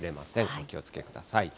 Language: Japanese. お気をつけください。